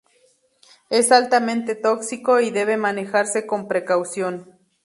Es altamente tóxico y debe manejarse con precaución.